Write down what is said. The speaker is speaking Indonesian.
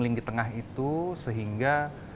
link tengah itu sehingga